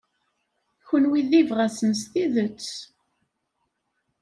Kenwi d ibɣasen s tidet.